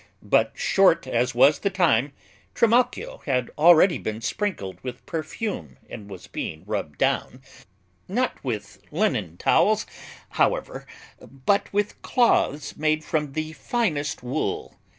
But short as was the time, Trimalchio had already been sprinkled with perfume and was being rubbed down, not with linen towels, however, but with cloths made from the finest wool.